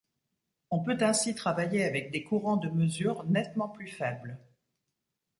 On peut ainsi travailler avec des courants de mesure nettement plus faibles.